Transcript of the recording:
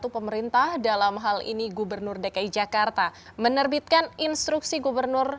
pemerintah dalam hal ini gubernur dki jakarta menerbitkan instruksi gubernur